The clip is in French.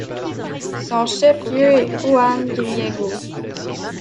Son chef-lieu est Juan Griego.